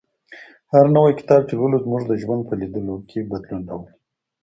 هر نوی کتاب چې لولو زموږ د ژوند په لیدلوري کې بدلون راولي.